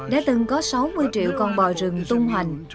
đã từng có sáu mươi triệu con bò rừng tung hoành